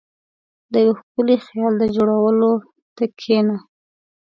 • د یو ښکلي خیال د جوړولو ته کښېنه.